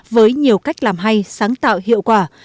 với nhiều cách làm hay sáng tạo hiệu quả